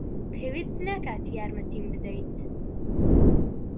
پێویست ناکات یارمەتیم بدەیت.